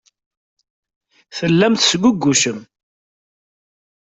Tellam tesgugucem.